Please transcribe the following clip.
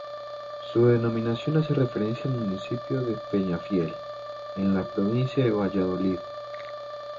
Su denominación hace referencia al municipio de Peñafiel, en la provincia de Valladolid.